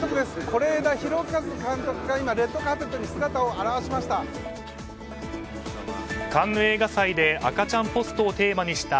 是枝裕和監督が今、レッドカーペットに姿を現しました。